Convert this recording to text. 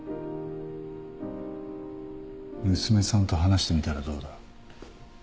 娘さんと話してみたらどうだ。